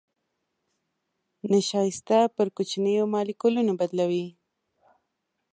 نشایسته پر کوچنيو مالیکولونو بدلوي.